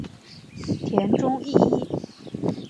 田中义一。